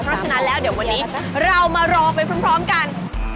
เพราะฉะนั้นแล้วเดี๋ยววันนี้เรามารอไปพร้อมกัน